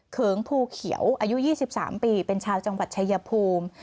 เขิงภูเขียวอายุ๒๓ปีเป็นชาวจังหวัดชายภูมิ